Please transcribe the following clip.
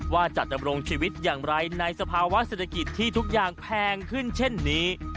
ว่าจะดำรงชีวิตอย่างไรในสภาวะเศรษฐกิจที่ทุกอย่างแพงขึ้นเช่นนี้